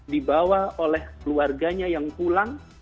dibawa oleh keluarganya yang pulang